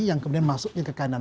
yang kemudian masuk ke kanan